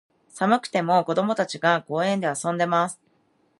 寒くても、子供たちが、公園で遊んでいます。